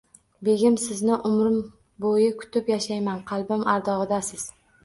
Begim, sizni umrim boʻyi kutib yashayman, qalbim ardogʻidasiz.